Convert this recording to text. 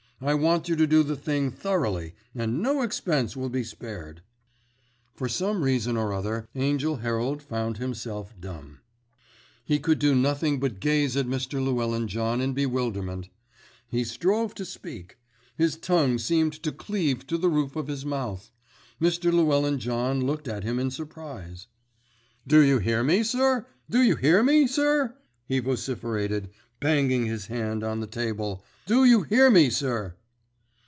I want you to do the thing thoroughly, and no expense will be spared." For some reason or other Angell Herald found himself dumb. He could do nothing but gaze at Mr. Llewellyn John in bewilderment. He strove to speak. His tongue seemed to cleave to the roof of his mouth. Mr. Llewellyn John looked at him in surprise. "Do you hear me, sir? Do you hear me, sir?" he vociferated, banging his hand on the table. "Do you hear me, sir?"